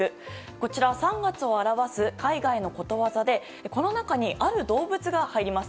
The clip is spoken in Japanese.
こちら３月を表す海外のことわざでこの中にある動物が入ります。